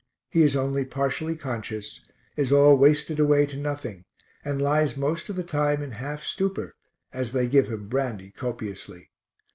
He is only partially conscious, is all wasted away to nothing, and lies most of the time in half stupor, as they give him brandy copiously.